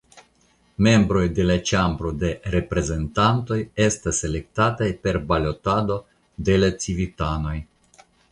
Membroj de la Ĉambro de Reprezentantoj estas elektataj per balotado de la civitanoj.